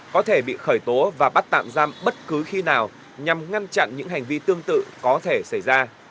có thể bị khởi tố và bắt tạm giam bất cứ khi nào nhằm ngăn chặn những hành vi tương tự có thể xảy ra